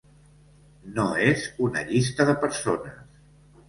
No és una llista de persones.